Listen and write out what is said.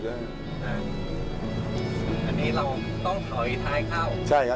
ต้องถอยท้ายเข้า